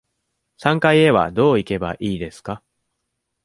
三階へはどう行けばいいですか。